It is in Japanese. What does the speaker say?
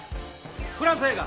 「フランス映画」。